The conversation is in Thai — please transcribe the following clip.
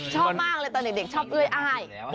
ชอบมากเลยตอนเด็กชอบเอื้ออ้าย